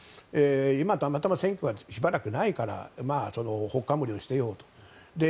今、たまたま選挙がしばらくないからほっかむりをしていようと。